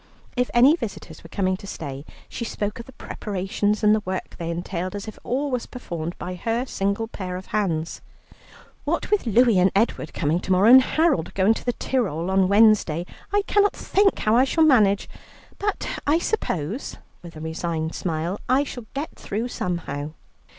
If any visitors were coming to stay, she spoke of the preparations and the work they entailed, as if all was performed by her single pair of hands. "What with Louie and Edward coming to morrow, and Harold going to the Tyrol on Wednesday, I cannot think how I shall manage, but I suppose," with a resigned smile, "I shall get through somehow."